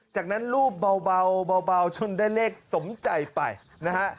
จากนั้นรูปเบาจนได้เลขสมใจไปนะฮะ